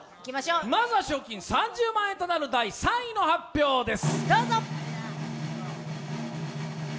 まずは賞金３０万円となる第３位の発表です。